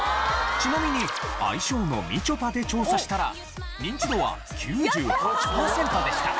ちなみに愛称の「みちょぱ」で調査したらニンチドは９８パーセントでした。